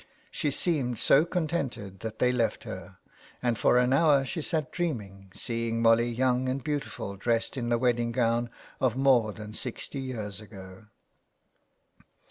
She seemed so contented that they left her, and for an hour she sat dreaming, seeing Molly young and beautifully dressed in the wedding gown of more than sixty years ago.